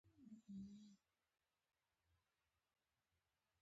څومره یو ځای له بله لرې و.